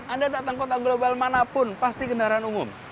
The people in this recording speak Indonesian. anda datang kota global mana pun pasti kendaraan umum